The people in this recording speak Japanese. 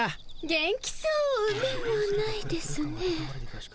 元気そうではないですね。